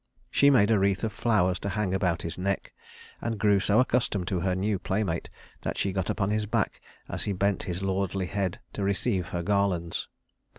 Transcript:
She made a wreath of flowers to hang about his neck, and grew so accustomed to her new playmate that she got upon his back as he bent his lordly head to receive her garlands.